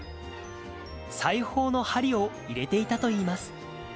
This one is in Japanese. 裁縫の針を入れていたといいます。